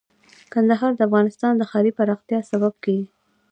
کندهار د افغانستان د ښاري پراختیا سبب کېږي.